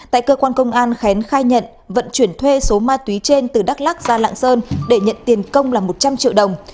tại cơ quan công an khén khai nhận vận chuyển thuê số ma túy trên từ đắk lắc ra lạng sơn để nhận tiền công là một trăm linh triệu đồng